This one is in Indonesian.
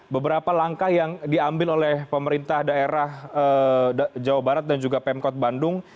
beberapa langkah yang diambil oleh pemerintah daerah jawa barat dan juga pemkot bandung